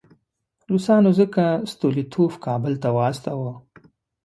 روسانو ځکه ستولیتوف کابل ته واستاوه.